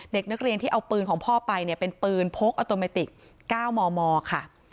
เด็กนักเรียนที่เอาปืนของพ่อไปเนี่ยเป็นปืนพกออโตเมติก๙มมค่ะ